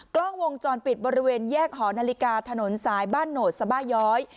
กล้องวงจรปิดบริเวณแยกหอนาฬิกาถนนสายบ้านโหนดสบาย้อย